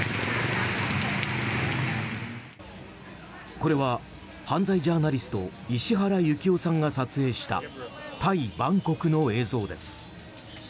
これは、犯罪ジャーナリスト石原行雄さんが撮影したタイ・バンコクの映像です。